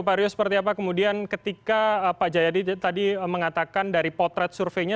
pak rio seperti apa kemudian ketika pak jayadi tadi mengatakan dari potret surveinya